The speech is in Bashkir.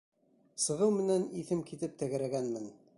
Сығыу менән иҫем китеп тәгәрәгәнмен.